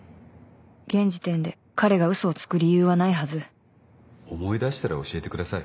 現時点で彼が嘘をつく理由はないはず思い出したら教えてください。